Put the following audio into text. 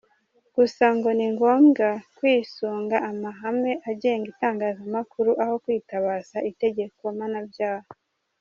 Gusa ngo ni ngombwa kwisunga amahame agenga itangazamakuru aho kwitabaza itegeko mpanabyaha.